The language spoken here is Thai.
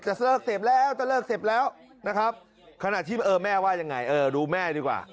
จะเลิกเสบแล้วนะครับขณะที่แม่ว่ายังไงดูแม่ดีกว่า